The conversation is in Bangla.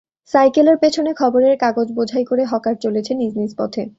সাইকেলের পেছনে খবরের কাগজ বোঝাই করে হকার চলেছে নিজ নিজ পথে।